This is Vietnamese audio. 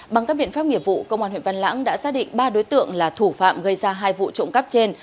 bằng các biện pháp nghiệp vụ công an huyện văn lãng đã xác định ba đối tượng là thủ phạm gây ra hai vụ trộm cắp trên